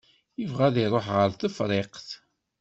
Yebɣa ad iṛuḥ ɣer Tefriqt.